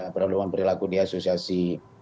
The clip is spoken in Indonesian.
pedoman perilaku di asosiasi